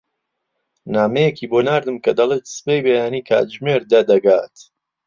نامەیەکی بۆ ناردم کە دەڵێت سبەی بەیانی کاتژمێر دە دەگات.